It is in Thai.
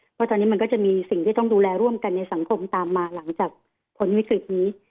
เพราะตอนนี้มันก็จะมีสิ่งที่ต้องดูแลร่วมกันในสังคมตามมาหลังจากพ้นวิกฤตนี้